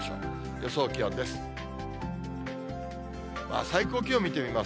予想気温です。